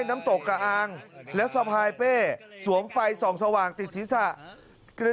น้ำตกกระอางและสภายเป้สวมไฟสองสว่างติดศิษย์ศาสตร์